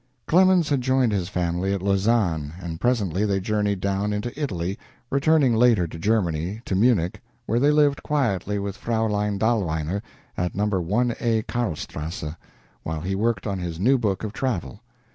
Clemens had joined his family at Lausanne, and presently they journeyed down into Italy, returning later to Germany to Munich, where they lived quietly with Fraulein Dahlweiner at No. 1a Karlstrasse, while he worked on his new book of travel.